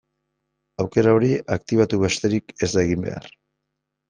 Aukera hori aktibatu besterik ez da egin behar.